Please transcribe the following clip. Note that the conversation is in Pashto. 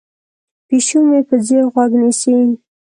پیشو مې په ځیر غوږ نیسي.